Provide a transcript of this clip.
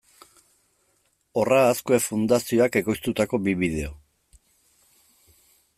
Horra Azkue Fundazioak ekoiztutako bi bideo.